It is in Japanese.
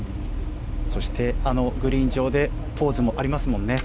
そして、グリーン上でポーズもありますもんね。